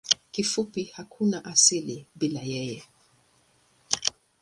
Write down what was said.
Kifupi hakuna asili bila yeye.